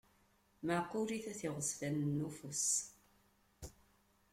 Meɛqulit, at iɣezfanen n ufus.